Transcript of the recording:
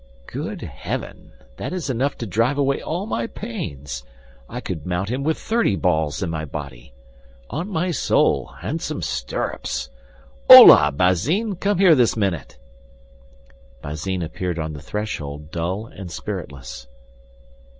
"Good heaven! That is enough to drive away all my pains; I could mount him with thirty balls in my body. On my soul, handsome stirrups! Holà, Bazin, come here this minute." Bazin appeared on the threshold, dull and spiritless.